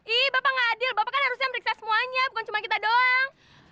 ih bapak gak adil bapak kan harusnya periksa semuanya bukan cuma kita doang